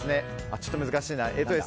ちょっと難しいな。